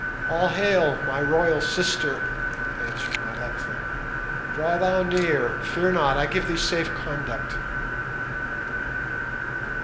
"All hail, my royal sister!" answered Nyleptha. "Draw thou near. Fear not, I give thee safe conduct."